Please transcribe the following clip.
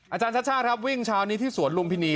อาจารย์ชาติชาติครับวิ่งเช้านี้ที่สวนลุมพินี